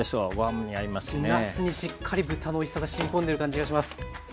なすにしっかり豚のおいしさがしみ込んでる感じがします。